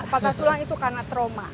patah tulang itu karena trauma